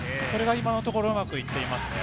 今のところうまくいっていますね。